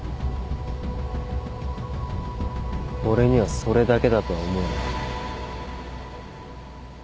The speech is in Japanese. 俺にはそれだけだとは思えない。